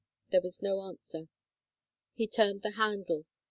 There was no answer. He turned the handle.